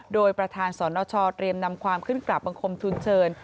โดยประธานสนชเตรียมนำความขึ้นกลับบังคมทุนเชิญ